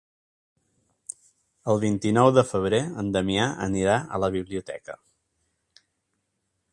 El vint-i-nou de febrer en Damià anirà a la biblioteca.